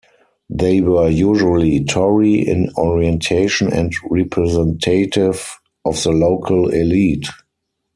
They were usually Tory in orientation and representative of the local elite.